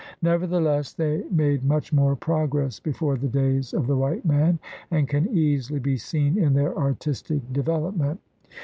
Nevertheless they made much more progress before the days of the white man, as can easily be seen in their artistic development.